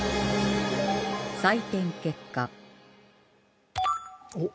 採点結果おっ！